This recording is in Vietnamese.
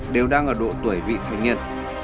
đang ở độ tuổi vị thanh niên